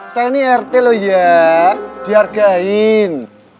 saya ini rt loh ya dihargain